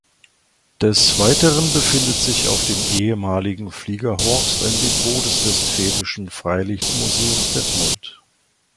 Des Weiteren befindet sich auf dem ehemaligen Fliegerhorst ein Depot des Westfälischen Freilichtmuseums Detmold.